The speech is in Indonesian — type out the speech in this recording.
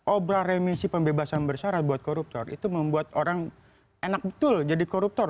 obra remisi pembebasan bersyarat buat koruptor itu membuat orang enak betul jadi koruptor